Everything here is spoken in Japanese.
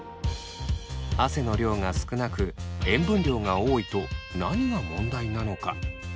汗の量が少なく塩分量が多いと何が問題なのか？